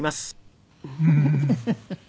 フフフフ！